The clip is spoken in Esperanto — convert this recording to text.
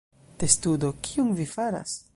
Testudo: "Kion vi faras?"